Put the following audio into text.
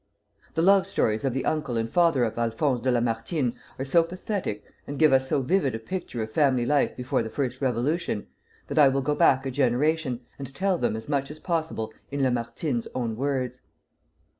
The love stories of the uncle and father of Alphonse de Lamartine are so pathetic, and give us so vivid a picture of family life before the First Revolution, that I will go back a generation, and tell them as much as possible in Lamartine's own words.